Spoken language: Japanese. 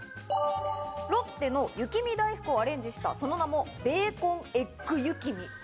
ロッテの雪見だいふくをアレンジした、その名もベーコンエッグ雪見。